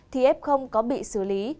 thì f có bị xử lý